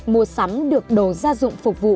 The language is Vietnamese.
mua sắm được đồ gia dụng phục vụ